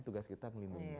tugas kita melindungi